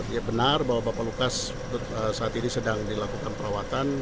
ya benar bahwa bapak lukas saat ini sedang dilakukan perawatan